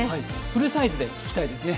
フルサイズで聴きたいですね。